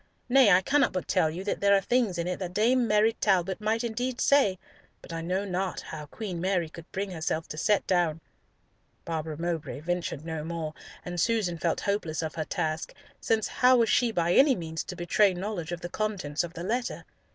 Nay, I cannot but tell you that there are things in it that Dame Mary Talbot might indeed say, but I know not how Queen Mary could bring herself to set down—" Barbara Mowbray ventured no more, and Susan felt hopeless of her task, since how was she by any means to betray knowledge of the contents of the letter?